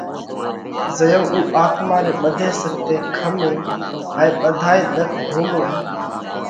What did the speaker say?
زئيون اُو آتما ري ٻڌي سختي کمينَ هائي ٻڌائي ۮک ڀوڳوَئه